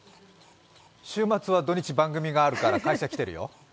週末は土日番組があるから会社来てるよ。